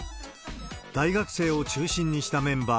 大学生を中心にしたメンバー